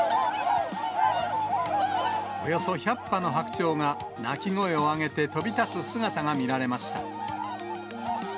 およそ１００羽のハクチョウが、鳴き声を上げて飛び立つ姿が見られました。